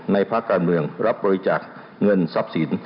ภาคการเมืองรับบริจาคเงินทรัพย์สิน